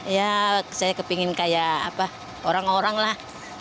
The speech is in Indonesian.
ya saya kepengen kayak apa orang orang lah